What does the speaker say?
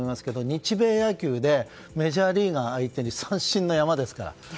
日米野球でメジャーリーガー相手に三振の山ですから。